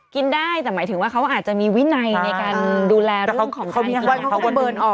กินได้แต่หมายถึงว่าเขาอาจจะมีวินัยในการดูแลเรื่องของการกิน